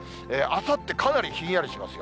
あさって、かなりひんやりします。